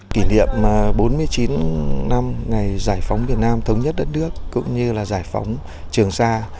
kỷ niệm bốn mươi chín năm ngày giải phóng việt nam thống nhất đất nước cũng như là giải phóng trường sa